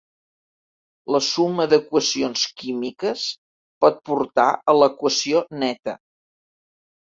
La suma d'equacions químiques pot portar a l'equació neta.